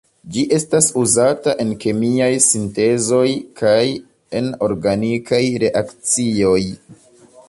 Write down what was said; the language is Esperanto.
Ĝi estas uzata en kemiaj sintezoj kaj en organikaj reakcioj.